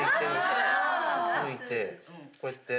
・剥いてこうやって。